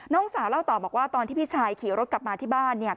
น้องสาวเล่าต่อบอกว่าตอนที่พี่ชายขี่รถกลับมาที่บ้านเนี่ย